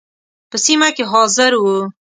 په سیمه کې حاضر وو.